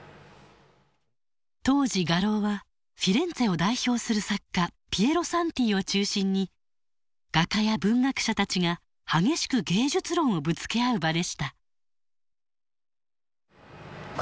当時画廊はフィレンツェを代表する作家ピエロ・サンティを中心に画家や文学者たちが激しく芸術論をぶつけ合う場でした。